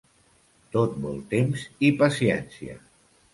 Tot vol temps i paciència.